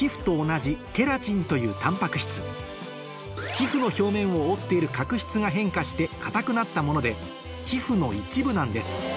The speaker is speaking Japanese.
皮ふの表面を覆っている角質が変化して硬くなったもので皮ふの一部なんです